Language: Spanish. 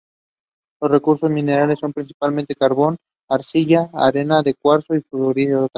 Los recursos minerales son principalmente carbón, arcilla, arena de cuarzo y fluorita.